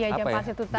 jam pasir itu tadi ya